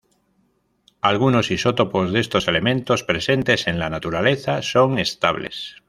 Algunos isótopos de estos elementos presentes en la naturaleza son estables.